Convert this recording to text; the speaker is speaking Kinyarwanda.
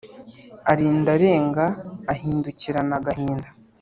arinda arenga ahindukirana agahinda